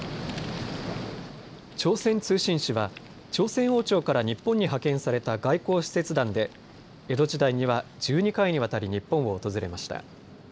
朝鮮通信使は朝鮮王朝から日本に派遣された外交使節団で江戸時代には１２回にわたり日本を訪れました。